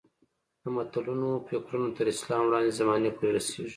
د متلونو فکرونه تر اسلام وړاندې زمانې پورې رسېږي